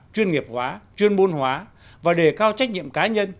chuyên nghiệp hóa chuyên môn hóa và đề cao trách nhiệm cá nhân